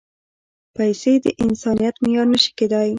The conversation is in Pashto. پېسې د انسانیت معیار نه شي کېدای.